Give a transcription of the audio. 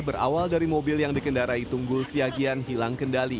berawal dari mobil yang dikendarai tunggul siagian hilang kendali